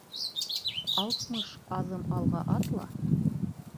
Алтмыш аҙым алға атла